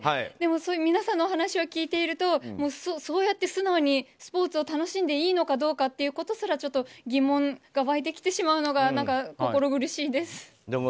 でも皆さんの話を聞いているとそうやって素直にスポーツを楽しんでいいのかどうかということすらちょっと疑問が湧いてきてしまうのが心苦しいです。